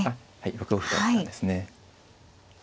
６五歩だったんですね。